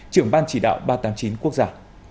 trưởng ban chỉ đạo ba trăm tám mươi chín quốc gia